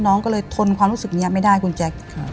น้องก็เลยทนความรู้สึกนี้ไม่ได้คุณแจ๊ค